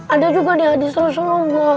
ada juga di hadis rusulungo